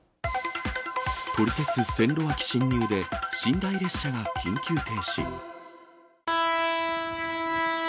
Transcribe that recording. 撮り鉄線路脇侵入で寝台列車が緊急停止。